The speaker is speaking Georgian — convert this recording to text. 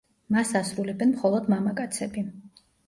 მას ასრულებენ მხოლოდ მამაკაცები.